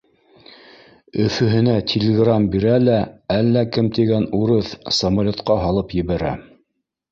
Өфөһөнә тилграм бирә лә, әллә кем тигән урыҫ самолетҡа һалып ебәрә